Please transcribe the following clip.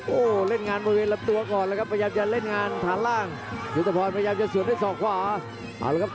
โอ้โหเล่นงานบริเวณรับตัวก่อนแล้วครับ